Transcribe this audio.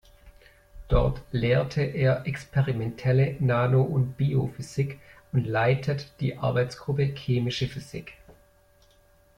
Dort lehrt er Experimentelle Nano- und Biophysik und leitet die Arbeitsgruppe Chemische Physik.